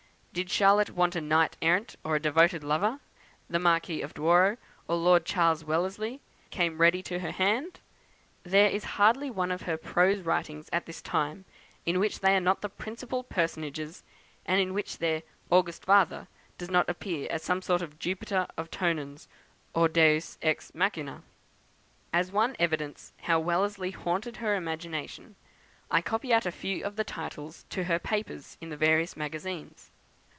Did Charlotte want a knight errant, or a devoted lover, the Marquis of Douro, or Lord Charles Wellesley, came ready to her hand. There is hardly one of her prose writings at this time in which they are not the principal personages, and in which their "august father" does not appear as a sort of Jupiter Tonans, or Deus ex Machina. As one evidence how Wellesley haunted her imagination, I copy out a few of the titles to her papers in the various magazines.